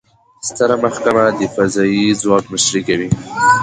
ستره محکمه د قضایي ځواک مشري کوي